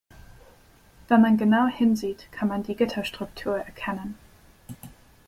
Wenn man genau hinsieht, kann man die Gitterstruktur erkennen.